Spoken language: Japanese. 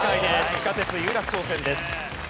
地下鉄有楽町線です。